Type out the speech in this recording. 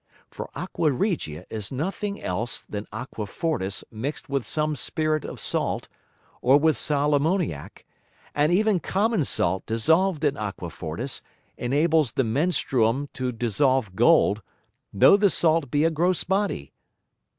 For Aqua regia is nothing else than Aqua fortis mix'd with some Spirit of Salt, or with Sal armoniac; and even common Salt dissolved in Aqua fortis, enables the Menstruum to dissolve Gold, though the Salt be a gross Body.